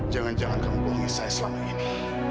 jangan jangan kamu punya saya selama ini